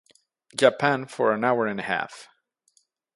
Japan for an hour and a half.